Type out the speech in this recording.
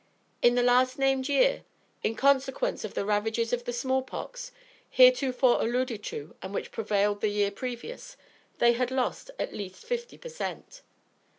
In the last named year, in consequence of the ravages of the small pox, heretofore alluded to and which prevailed the year previous, they had lost at least fifty per cent.